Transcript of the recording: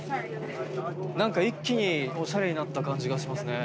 何か一気におしゃれになった感じがしますね。